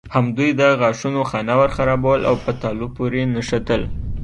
همدوی د غاښونو خانه ورخرابول او په تالو پورې نښتل.